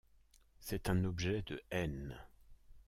C’est un objet de haine.